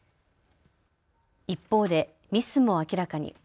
一方でミスも明らかに。